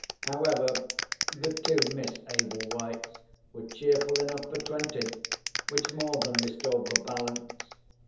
However, the two Miss Ablewhites were cheerful enough for twenty, which more than restored the balance.